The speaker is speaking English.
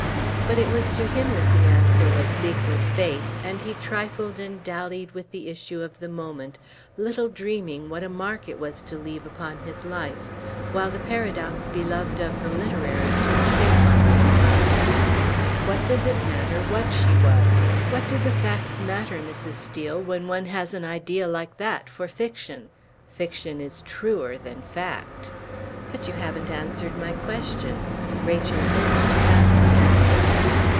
But it was to him that the answer was big with fate; and he trifled and dallied with the issue of the moment, little dreaming what a mark it was to leave upon his life, while the paradox beloved of the literary took shape on his tongue. "What does it matter what she was? What do the facts matter, Mrs. Steel, when one has an idea like that for fiction? Fiction is truer than fact!" "But you haven't answered my question." Rachel meant to have that answer.